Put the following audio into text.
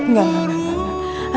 enggak enggak enggak